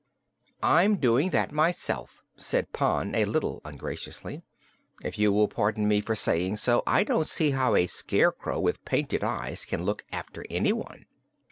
"I'm doing that myself," said Pon, a little ungraciously. "If you will pardon me for saying so, I don't see how a Scarecrow with painted eyes can look after anyone."